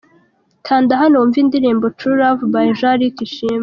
Kanda hano wumve indirimbo True Love by Jean Luc Ishimwe.